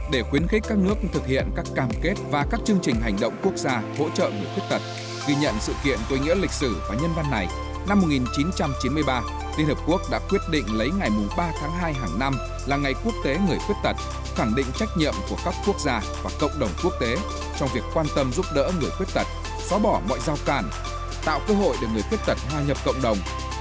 để khuyến khích các nước thực hiện các cam kết và các chương trình hành động quốc gia hỗ trợ người khuyết tật ghi nhận sự kiện tuyên ngữ lịch sử và nhân văn này năm một nghìn chín trăm chín mươi ba liên hợp quốc đã quyết định lấy ngày ba tháng hai hàng năm là ngày quốc tế người khuyết tật khẳng định trách nhiệm của các quốc gia và cộng đồng quốc tế trong việc quan tâm giúp đỡ người khuyết tật xóa bỏ mọi giao càn tạo cơ hội để người khuyết tật hoa nhập cộng đồng